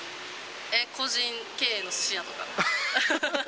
個人経営のすし屋とか。